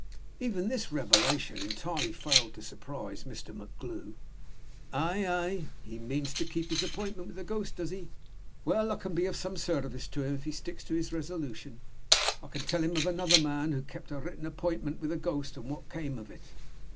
Even this revelation entirely failed to surprise Mr. MacGlue. "Ay, ay. He means to keep his appointment with the ghost, does he? Well, I can be of some service to him if he sticks to his resolution. I can tell him of another man who kept a written appointment with a ghost, and what came of it."